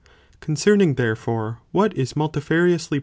ConcERNING therefore what is multifariously pre 1.